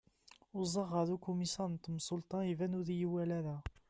uẓaɣ ɣer ukumisar n temsulta iban ur iyi-iwali ara